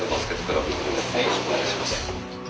よろしくお願いします。